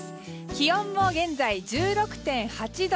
気温も現在１６．８度。